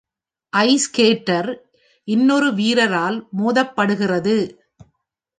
ice skater, இன்னொரு வீரரால் மோதப்படுகிறது